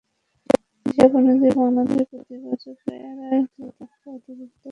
হিসাব অনুযায়ী, বাংলাদেশে প্রতিবছর প্রায় আড়াই লাখ অতিরিক্ত ঘরবাড়ি তৈরি হচ্ছে।